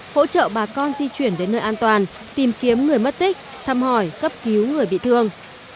hỗ trợ bà con di chuyển đến nơi an toàn tìm kiếm người mất tích thăm hỏi cấp cứu người bị thương